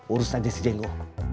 urus aja si jenggo